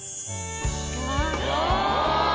うわ！